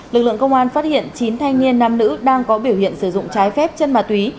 lực lượng công an phát hiện chín thanh niên nam nữ đang có biểu hiện sử dụng trái phép chân ma túy